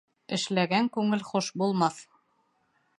Эшләгән күңел хуш булмаҫ.